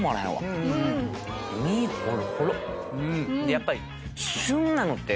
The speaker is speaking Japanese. やっぱり。